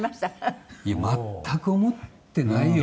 谷村：全く思ってないよね。